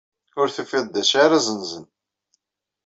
Ur tufiḍ d acu ara zzenzen.